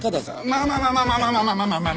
まあまあまあまあまあまあまあまあまあまあ。